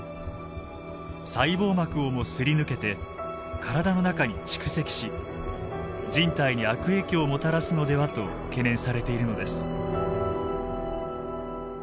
細胞膜をもすり抜けて体の中に蓄積し人体に悪影響をもたらすのではと懸念されているのです。